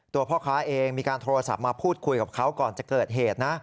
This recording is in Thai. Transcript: พ่อค้าเองมีการโทรศัพท์มาพูดคุยกับเขาก่อนจะเกิดเหตุนะ